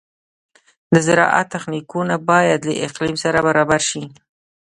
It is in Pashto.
د زراعت تخنیکونه باید له اقلیم سره برابر شي.